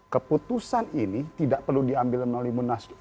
keputusan ini tidak perlu diambil melalui munaslup